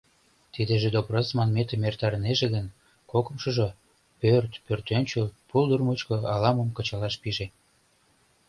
Тидыже допрос манметым эртарынеже гын, кокымшыжо пӧрт, пӧртӧнчыл, пулдыр мучко ала-мом кычалаш пиже.